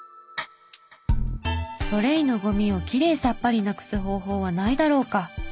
トレイのゴミをきれいさっぱりなくす方法はないだろうか？